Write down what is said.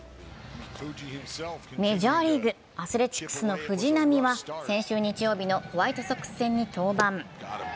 メジャーリーグ、アスレチックスの藤浪は先週日曜日のホワイトソックス戦に登板。